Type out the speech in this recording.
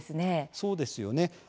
そうですよね。